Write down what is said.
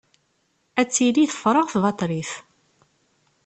Ad tili tefreɣ tbaṭrit.